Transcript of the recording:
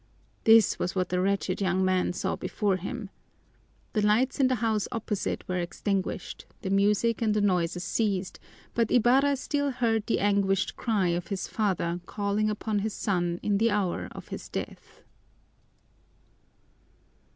This was what the wretched young man saw before him. The lights in the house opposite were extinguished, the music and the noises ceased, but Ibarra still heard the anguished cry of his father calling upon his son in the hour of his death.